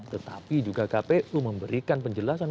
tetapi juga kpu memberikan penjelasan